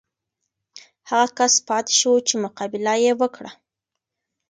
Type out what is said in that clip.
هغه کس پاتې شو چې مقابله یې وکړه.